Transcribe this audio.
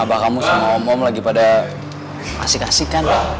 abah kamu sama om om lagi pada asik asik kan